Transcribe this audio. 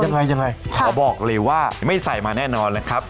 อย่างไรอย่างไรอย่างไรขอบอกเลยว่าไม่ใส่มาแน่นอนนะครับ